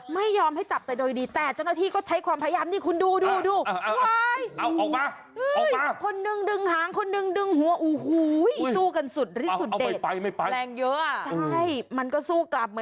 ไม่ยอมให้จับแต่โดยดีแต่เจ้าหน้าที่ก็ใช้ความพยายาม